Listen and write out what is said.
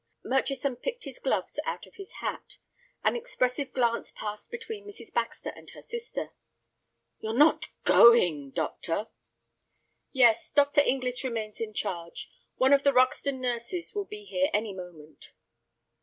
Murchison picked his gloves out of his hat. An expressive glance passed between Mrs. Baxter and her sister. "You're not going, doctor?" "Yes, Dr. Inglis remains in charge. One of the Roxton nurses will be here any moment."